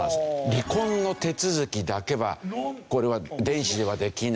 離婚の手続きだけはこれは電子ではできない。